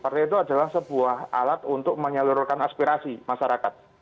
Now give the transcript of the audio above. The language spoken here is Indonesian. adalah sebuah alat untuk menyalurkan aspirasi masyarakat